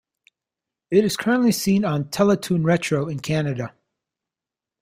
It is currently seen on Teletoon Retro in Canada.